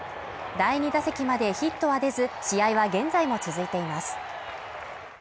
第２打席までヒットは出ず、試合は現在も続いています。